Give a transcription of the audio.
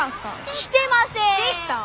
してません！